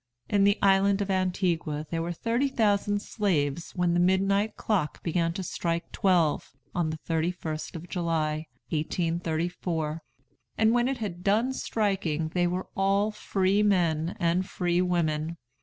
In the island of Antigua there were thirty thousand slaves when the midnight clock began to strive twelve, on the 31st of July, 1834; and when it had done striking they were all free men and free women.